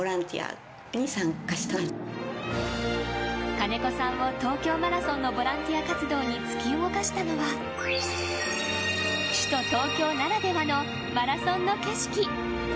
金子さんは東京マラソンのボランティア活動に突き動かしたのは首都、東京ならではのマラソンの景色。